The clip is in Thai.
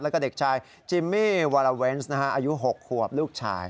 แล้วก็เด็กชายจิมมี่วาลาเวนส์อายุ๖ขวบลูกชาย